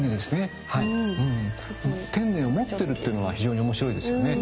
天衣を持ってるっていうのは非常に面白いですよね。